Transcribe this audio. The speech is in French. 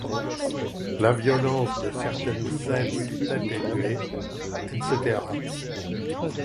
La violence de certaines scènes est atténuée, etc.